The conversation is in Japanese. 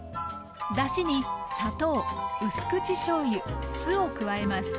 だしに砂糖うす口しょうゆ酢を加えます。